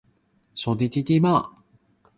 蛋糕蛋散雞蛋仔